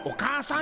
ん？